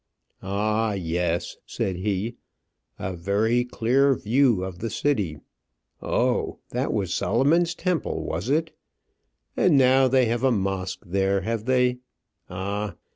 "Ah! yes," said he, "a very clear view of the city; oh, that was Solomon's temple, was it? And now they have a mosque there, have they? Ah!